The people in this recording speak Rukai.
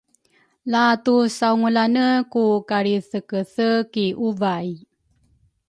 la tusaungulane ku kalrithekethe ki uvai